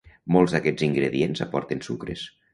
Molts d’aquests ingredients aporten sucres.